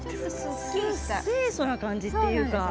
清そな感じっていうか。